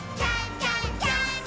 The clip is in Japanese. ジャンプ！！」